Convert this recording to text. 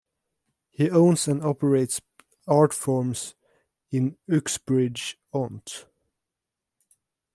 He owns and operates Artforms, in Uxbridge, Ont.